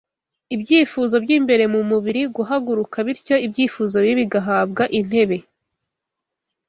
ibyifuzo by’imbere mu mubiri guhaguruka bityo ibyifuzo bibi bigahabwa intebe